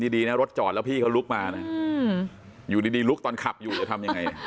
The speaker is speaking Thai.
ดีนะรถจอดแล้วพี่เขาลุกมานะอยู่ดีลุกตอนขับอยู่จะทำยังไง